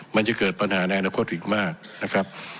มันจะเกิดปัญหาในอนาคตอีกมากนะครับ